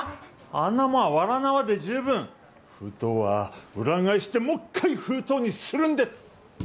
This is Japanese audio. あんなもんはワラ縄で十分封筒は裏返してもっかい封筒にするんです！